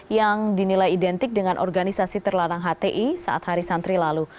yang dinilai identik dengan organisasi terlarang hti saat hari santri lalu